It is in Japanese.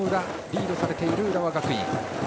リードされている浦和学院。